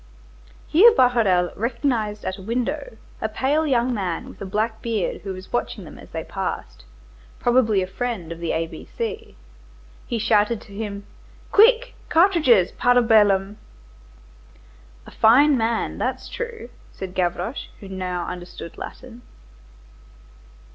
Here Bahorel recognized at a window a pale young man with a black beard who was watching them as they passed, probably a Friend of the A B C. He shouted to him:— "Quick, cartridges, para bellum." "A fine man! that's true," said Gavroche, who now understood Latin.